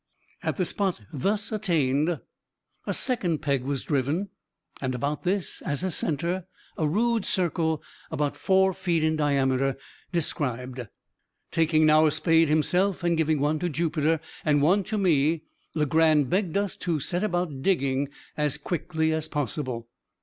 At the spot thus attained a second peg was driven, and about this, as a centre, a rude circle, about four feet in diameter, described. Taking now a spade himself, and giving one to Jupiter and one to me, Legrand begged us to set about digging as quickly as possible.